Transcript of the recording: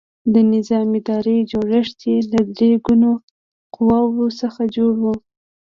د نظام اداري جوړښت یې له درې ګونو قواوو څخه جوړ و.